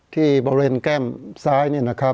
ที่บริเวณแก้มซ้ายนี่นะครับ